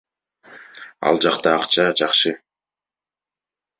Ал жакта акча жакшы.